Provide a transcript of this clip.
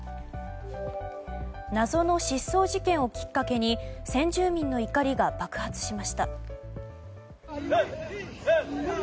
謎の失踪事件をきっかけに先住民の怒りが爆発しました。